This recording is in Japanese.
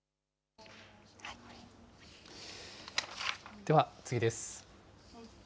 では次です。